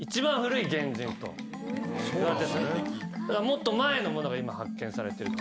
もっと前のものが今発見されている。